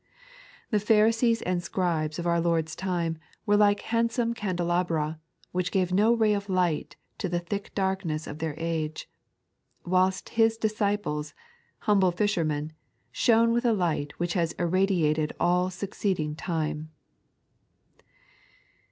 The Pharisees and Scribes of our Iiord's time were like handsome candelabra, which gave no ray of light to the thick darkness of their age ; whilst His disciples, humble fishermen, shone with a light which has irradiated all succeeding time.